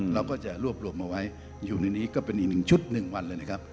เราก็จะรวบรวมมาไว้อยู่ในนี้ก็เป็นอีกหนึ่งชุด๑วันเลยนะครับ